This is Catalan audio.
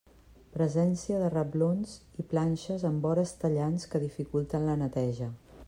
Presència de reblons i planxes amb vores tallants que dificulten la neteja.